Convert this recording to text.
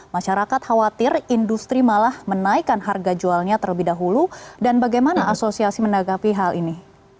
masyarakat khawatir industri malah menaikkan harga jualnya terlebih dahulu dan bagaimana asosiasi menanggapi hal ini